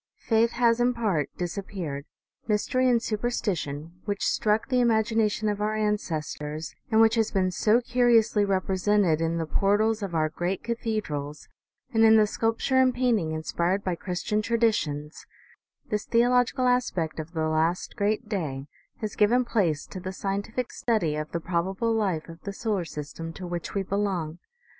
Faith has in part disappeared ; mystery and superstition, which struck the imagination of our ancestors, and which has been so curiously represented in the portals of our great cathe drals, and in the sculpture and painting inspired by Chris tian traditions, this theological aspect of the last great day, has given place to the scientific study of the probable life of the solar system to which we belong.